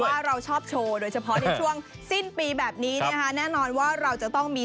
ว่าเราชอบโชว์โดยเฉพาะในช่วงสิ้นปีแบบนี้นะคะแน่นอนว่าเราจะต้องมี